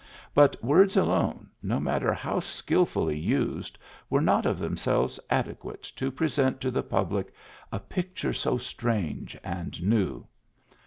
But words alone, no matter how skilfully used, were not of themselves adequate to present to the public a picture so strange and new.